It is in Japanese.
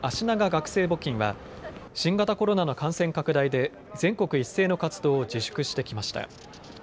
学生募金は新型コロナの感染拡大で全国一斉の活動を自粛してきました。